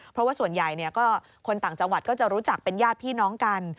เพราะว่าส่วนใหญ่คนต่างจังหวัดก็จะรู้จักเป็นญาติพี่น้องกัน